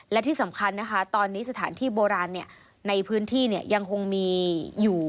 และที่สำคัญนะคะตอนนี้สถานที่โบราณในพื้นที่ยังคงมีอยู่